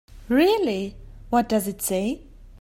Really, what does it say?